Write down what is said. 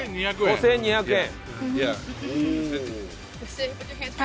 ５２００円！